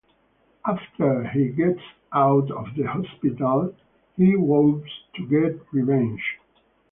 After he gets out of the hospital, he vows to get revenge.